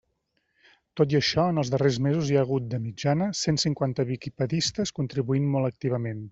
Tot i això, en els darrers mesos hi ha hagut, de mitjana, cent cinquanta “viquipedistes” contribuint molt activament.